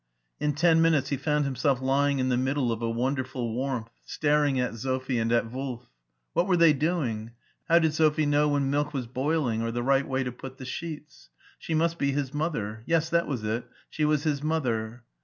In ten minutes he found himself lying in the middle of a wonderful warmth, staring at Sophie and at Wolf. What were they doing? How did Sophie know when milk was boiling, or the right way to put the sheets? She must be his mother. Yes, that was it, she was his mother.